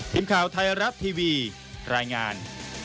ทีมข่าวไทยรัฐทีวีรายงาน